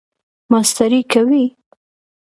ماسټری کوئ؟